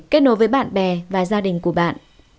kết nối với bạn bè và gia đình của bạn